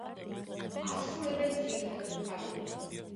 ასრულებენ ძირითადად ქალები.